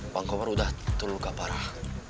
pangkomer udah betul luka parah